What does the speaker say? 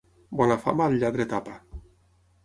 Bona fama al lladre tapa.